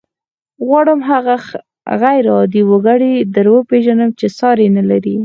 غواړم هغه غير عادي وګړی در وپېژنم چې ساری نه لري.